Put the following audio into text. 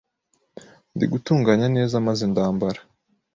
nditunganya neza maze ndambara